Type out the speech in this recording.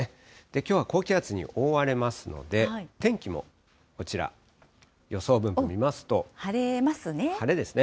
きょうは高気圧に覆われますので、天気もこちら、晴れますね。